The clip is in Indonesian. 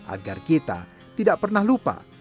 agar kita tidak pernah lupa